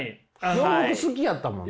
洋服好きやったもんね。